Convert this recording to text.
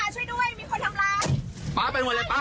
ช่วยด้วยครับช่วยด้วย